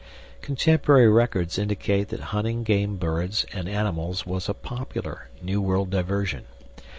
Contemporary records indicate that hunting game birds and animals was a popular New World diversion.